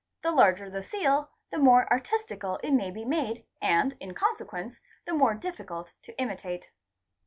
The larger the seal the more artis tical it may be made and in consequence the more difficult to imitate.